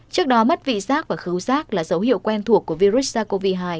trước đó mất vị giác và cứu giác là dấu hiệu quen thuộc của virus sars cov hai